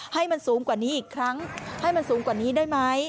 ให้มันสูงกว่านี้อีกครั้งให้มันสูงกว่านี้ได้ไหม